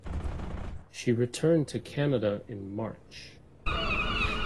She returned to Canada in March.